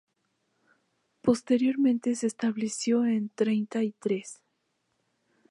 Posteriormente se estableció en Treinta y Tres.